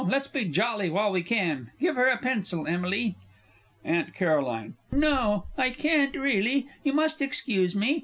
Let's be jolly while we can give her a pencil, Emily! AUNT C. No, I can't, really. You must excuse me.